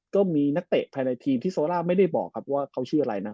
ก็มีนักเตะภายในทีมที่โซล่าไม่ได้บอกครับว่าเขาชื่ออะไรนะ